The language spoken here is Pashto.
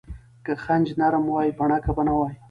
که خج نرم وای، بڼکه به نه وای.